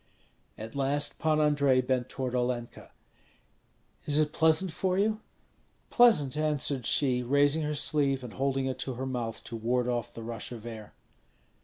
At last Pan Andrei bent toward Olenka. "Is it pleasant for you?" "Pleasant," answered she, raising her sleeve and holding it to her mouth to ward off the rush of air.